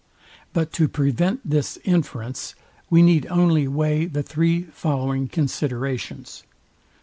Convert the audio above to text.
But to prevent this inference, we need only weigh the three following considerations.